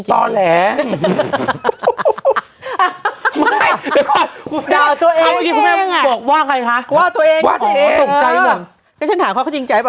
ตกใจกว่าไม่เซหนเซอร์ไม่ทันนะคะ